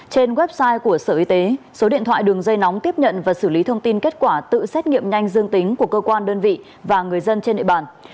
trên website của sở y tế số điện thoại đường dây nóng tiếp nhận và xử lý thông tin kết quả tự xét nghiệm nhanh dương tính của cơ quan đơn vị và người dân trên địa bàn